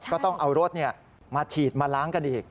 ก็ต้องเอารถมาฉีดมาล้างกันอีก